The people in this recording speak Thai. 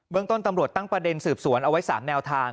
เรื่องต้นตำรวจตั้งประเด็นสืบสวนเอาไว้๓แนวทาง